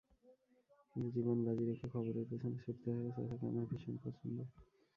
কিন্তু জীবন বাজি রেখে খবরের পেছনে ছুটতে থাকা চাচাকে আমার ভীষণ পছন্দ।